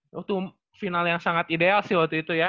waktu final yang sangat ideal sih waktu itu ya